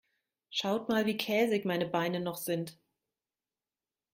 Schaut mal, wie käsig meine Beine noch sind.